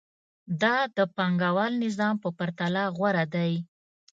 دا د پانګوال نظام په پرتله غوره دی